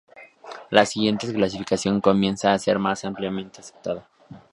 La siguiente clasificación comienza a ser más ampliamente aceptada.